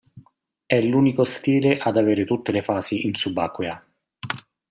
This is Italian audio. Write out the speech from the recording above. È l'unico stile ad avere tutte le fasi in subacquea.